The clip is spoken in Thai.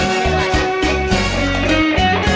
งานกดแล้ว